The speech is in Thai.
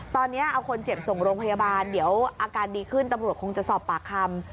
ตอนนี้เอาคนเจ็บส่งโรงพยาบาลเดี๋ยวอาการดีขึ้นตำรวจคงจะสอบปากคำ